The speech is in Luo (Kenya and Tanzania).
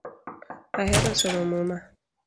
Ahero somo muma